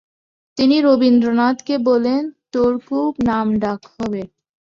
তিনি রবীন্দ্রনাথকে বললেন, ‘তোর খুব নামডাক হবে।